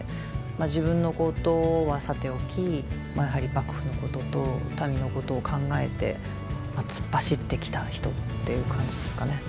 自分のことはさておきやはり幕府のことと民のことを考えて突っ走ってきた人っていう感じですかね。